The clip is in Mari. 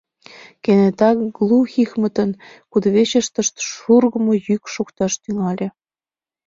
Кенета Глухихмытын кудывечыштышт шургымо йӱк шокташ тӱҥале.